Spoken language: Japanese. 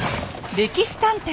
「歴史探偵」